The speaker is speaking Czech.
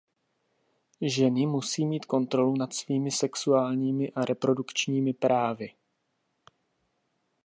Ženy musí mít kontrolu nad svými sexuálními a reprodukčními právy.